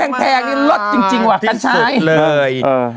ของแพงนี่ลดจริงว่ะคันชาย